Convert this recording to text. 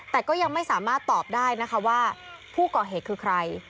แต่ก็ยังไม่สามารถตอบได้นะคะว่าผู้ก่อเหตุคือใคร